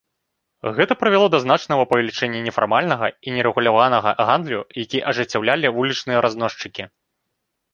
Гэта прывяло да значнага павелічэння нефармальнага і нерэгуляванага гандлю, які ажыццяўлялі вулічныя разносчыкі.